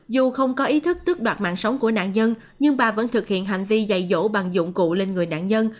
dù không có ý thức tức đoạt mạng sống của nạn nhân nhưng bà vẫn thực hiện hành vi dạy dỗ bằng dụng cụ lên người nạn nhân